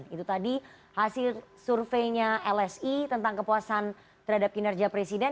itu tadi hasil surveinya lsi tentang kepuasan terhadap kinerja presiden